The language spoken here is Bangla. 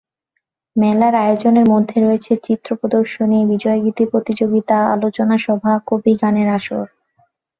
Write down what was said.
মেলার আয়োজনের মধ্যে রয়েছে চিত্র প্রদর্শনী, বিজয়গীতি প্রতিযোগিতা, আলোচনা সভা, কবি গানের আসর।